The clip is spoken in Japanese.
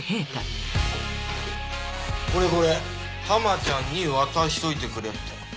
これこれハマちゃんに渡しといてくれって。